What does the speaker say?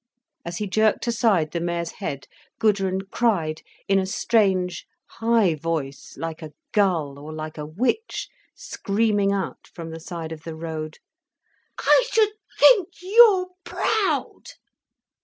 As he jerked aside the mare's head, Gudrun cried, in a strange, high voice, like a gull, or like a witch screaming out from the side of the road: "I should think you're proud."